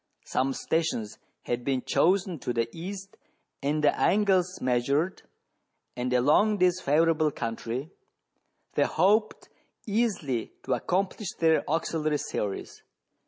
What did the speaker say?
Some stations had been chosen to the east and the angles measured, and along this favourable country, they hoped easily to accomplish their auxiliary series.